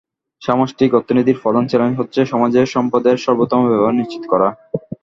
সামষ্টিক অর্থনীতির প্রধান চ্যালেঞ্জ হচ্ছে, সমাজের সম্পদের সর্বোত্তম ব্যবহার নিশ্চিত করা।